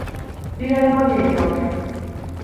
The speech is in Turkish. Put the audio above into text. Bir araba geliyor.